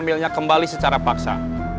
ambilnya kembali secara paksa